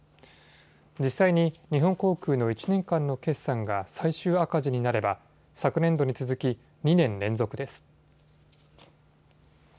実際に日本航空の１年間の決算が最終赤字になれば昨年度に続き２年連続です。